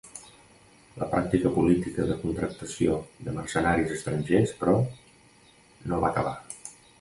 La pràctica política de contractació de mercenaris estrangers, però, no va acabar.